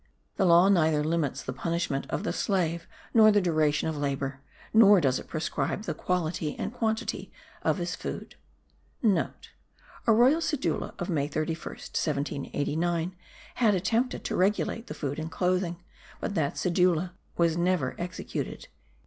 The law neither limits the punishment of the slave, nor the duration of labour; nor does it prescribe the quality and quantity of his food.* (* A royal cedula of May 31st, 1789 had attempted to regulate the food and clothing; but that cedula was never executed.)